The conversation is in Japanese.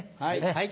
はい。